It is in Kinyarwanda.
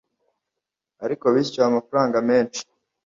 ariko bishyuwe amafaranga menshi